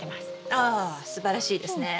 ああすばらしいですね。